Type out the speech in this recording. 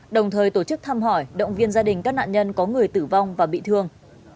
đồng thời tổ chức thăm hỏi động viên gia đình các nạn nhân có người tử vong và bị thương